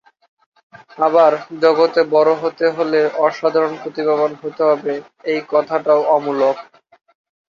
আবার, জগতে বড় হতে হলে অসাধারণ প্রতিভাবান হতে হবে এই কথাটাও অমূলক।